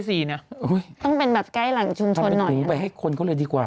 ต้องเป็นแบบใกล้หลังชุมชนหน่อยหนีไปให้คนเขาเลยดีกว่า